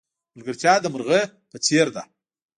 ملگرتیا د مرغی په څېر ده.